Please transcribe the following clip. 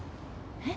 えっ？